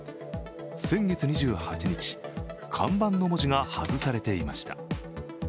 先月２８日、看板の文字が外されていました。